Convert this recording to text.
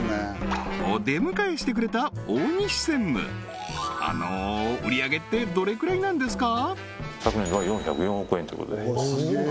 お出迎えしてくれた大西専務あの売上げってどれくらいなんですか？